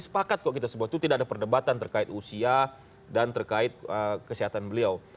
sepakat kok kita semua itu tidak ada perdebatan terkait usia dan terkait kesehatan beliau